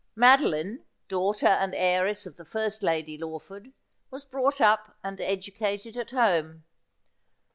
Madoline, daughter and heiress of the first Lady Lawford, was brought up and educated at home.